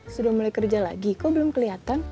sudah mulai kerja lagi kok belum kelihatan